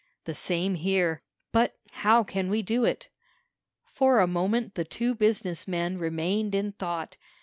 "The same here. But how can we do it?" For a moment the two business men remained in thought.